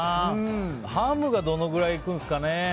ハムがどのくらいいくんですかね。